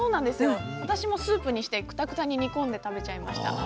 私もスープにしてくたくたに煮込んで食べちゃいました。